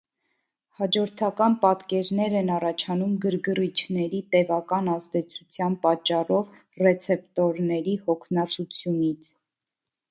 Հաջորդական պատկերներ են առաջանում գրգռիչների տևական ազդեցության պատճառով ռեցեպտորների հոգնածությունից։